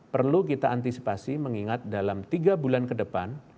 perlu kita antisipasi mengingat dalam tiga bulan ke depan